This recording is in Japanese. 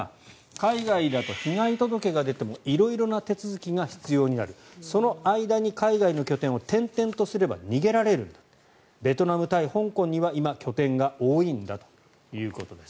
海外だと被害届が出ても色々な手続きが必要になるその間に海外の拠点を転々とすれば逃げられるんだとベトナム、タイ、香港には今、拠点が多いんだということです。